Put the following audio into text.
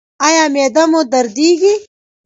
ایا معده مو دردیږي؟